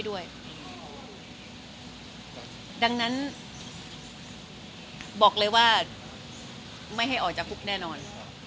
ดังนั้นบอกเลยว่าไม่ให้ออกจากคุกแน่นอน